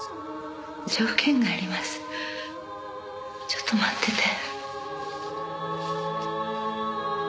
ちょっと待ってて。